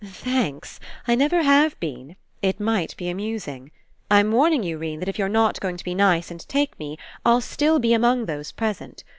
"Thanks. I never have been. It might be amusing. I'm warning you, 'Rene, that if you're not going to be nice and take me, I'll still be among those present.